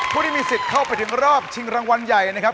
ผู้ที่มีสิทธิ์เข้าไปถึงรอบชิงรางวัลใหญ่นะครับ